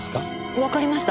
わかりました。